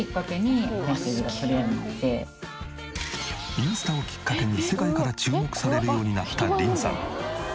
インスタをきっかけに世界から注目されるようになったリンさん。